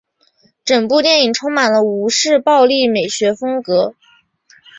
整部电影充满了吴氏暴力美学风格。